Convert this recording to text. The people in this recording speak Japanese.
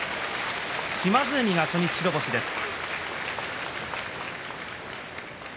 島津海が初日白星です。